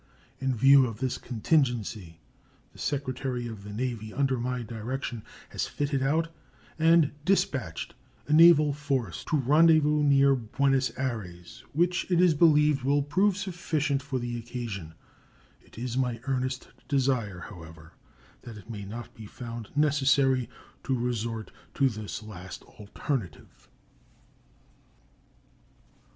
In view of this contingency, the Secretary of the Navy, under my direction, has fitted out and dispatched a naval force to rendezvous near Buenos Ayres, which, it is believed, will prove sufficient for the occasion. It is my earnest desire, however, that it may not be found necessary to resort to this last alternative.